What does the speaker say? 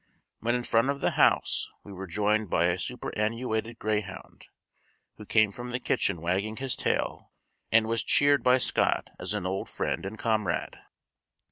When in front of the house, we were joined by a superannuated greyhound, who came from the kitchen wagging his tail, and was cheered by Scott as an old friend and comrade.